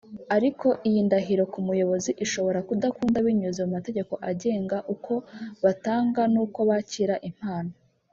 ariko iyi ndahiro ku muyobozi ishobora kudakunda binyuze mu mategeko agenga uko batanga n’uko bakira impano